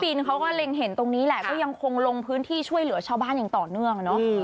เขาก็เล็งเห็นตรงนี้แหละก็ยังคงลงพื้นที่ช่วยเหลือชาวบ้านอย่างต่อเนื่องอ่ะเนอะ